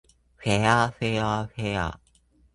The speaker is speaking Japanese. ふぇあふぇわふぇわ